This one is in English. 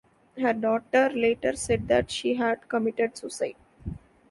Her daughter later said that she had committed suicide.